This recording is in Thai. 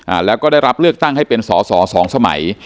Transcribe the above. อ่าแล้วก็ได้รับเลือกตั้งให้เป็นสอสอสองสมัย